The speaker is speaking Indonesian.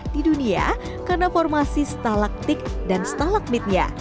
di dunia karena formasi stalaktik dan stalakmitnya